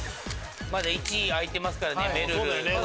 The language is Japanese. まだ１位空いてますからねめるる。